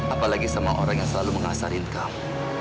apalagi sama orang yang selalu mengasarkan kamu